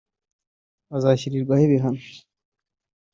bazashyirirwaho ibihano